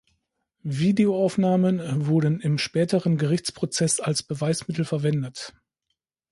Videoaufnahmen wurden im späteren Gerichtsprozess als Beweismittel verwendet.